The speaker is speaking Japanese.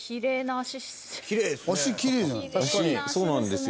足そうなんですよ。